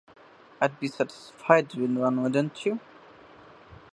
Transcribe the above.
I’d be satisfied with one, wouldn’t you?